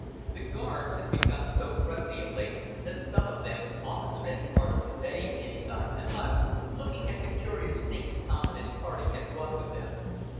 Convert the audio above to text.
The guards had become so friendly of late that some of them often spent part of the day inside the hut, looking at the curious things Tom and his party had brought with them.